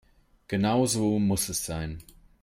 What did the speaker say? Genau so muss es sein.